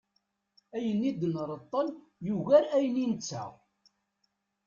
Ayen i d-nreṭṭel yugar ayen i nettaɣ.